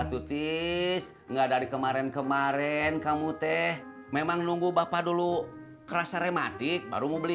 tutis enggak dari kemarin kemarin kamu teh memang nunggu bapak dulu kerasa reumatik baru mau beli